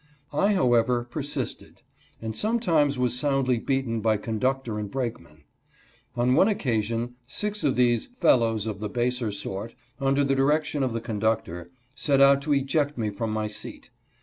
I, however, persisted, and sometimes was soundly beaten by conductor and brakeman. On one oc casion six of these " fellows of the baser sort," under the direction of the conductor, set out to eject me from my 'seat.